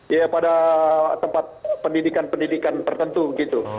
ya pada tempat pendidikan pendidikan tertentu gitu